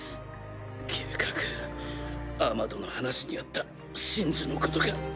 計画アマドの話にあった神樹のことか？